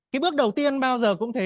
cái bước đầu tiên bao giờ cũng thế